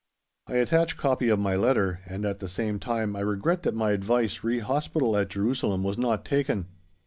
I attach copy of my letter and, at the same time, I regret that my advice re Hospital at Jerusalem was not taken.